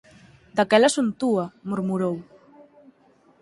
Daquela son túa — murmurou.